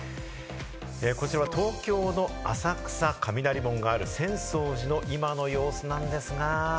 こちらは東京の浅草・雷門がある浅草寺の今の様子なんですが。